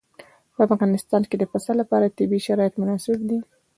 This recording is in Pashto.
په افغانستان کې د پسه لپاره طبیعي شرایط مناسب دي.